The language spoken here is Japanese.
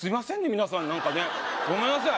皆さんなんかねごめんなさい